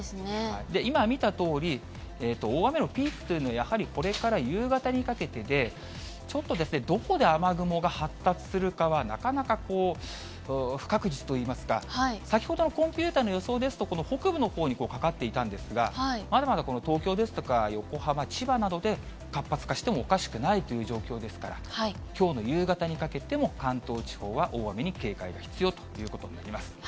今見たとおり、大雨のピークというのは、やはりこれから夕方にかけてで、ちょっと、どこで雨雲が発達するかはなかなかこう、不確実といいますか、先ほどのコンピューターの予想ですと、この北部のほうにかかっていたんですが、まだまだこの東京ですとか、横浜、千葉などで活発化してもおかしくないという状況ですから、きょうの夕方にかけても関東地方は大雨に警戒が必要ということになります。